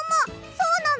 そうなの！？